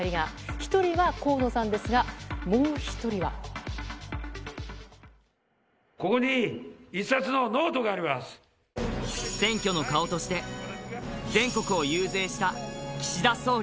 １人は河野さんですが、もう１人ここに１冊のノートがありま選挙の顔として、全国を遊説した岸田総理。